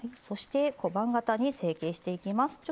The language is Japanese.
そして小判形に成形していきます。